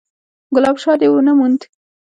_ګلاب شاه دې ونه موند؟